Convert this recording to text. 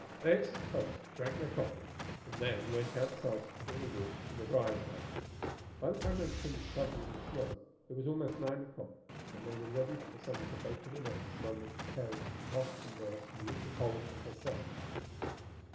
They ate some toast, drank their coffee, and then went outside to clear the walks and the driveway. By the time they had finished shoveling the snow it was almost nine o'clock and they were ready for some of the bacon and eggs Mom was preparing for Pop and Bert and Richard Holt and herself.